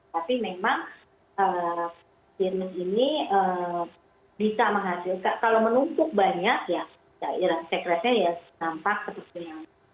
tapi memang virus ini bisa menghasilkan kalau menumpuk banyak ya sekretnya ya tampak seperti yang